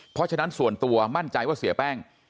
เพราะฉะนั้นส่วนตัวมั่นใจว่าเสียแป้ง